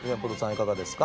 いかがですか。